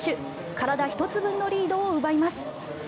体１つ分のリードを奪います。